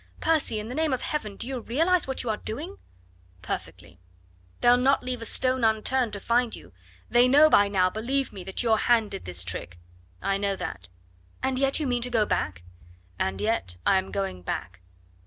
Percy, in the name of Heaven, do you realise what you are doing?" "Perfectly." "They'll not leave a stone unturned to find you they know by now, believe me, that your hand did this trick." "I know that." "And yet you mean to go back?" "And yet I am going back."